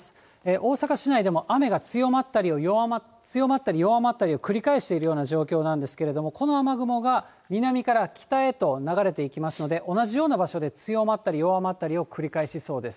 大阪市内でも雨が強まったり弱まったりを繰り返しているような状況なんですけれども、この雨雲が南から北へと流れていきますので、同じような場所で強まったり弱まったりを繰り返しそうです。